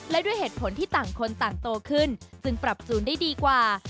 และด้วยเหตุผลที่ต่างคนต่างโตขึ้นจึงปรับจูนได้ดีกว่า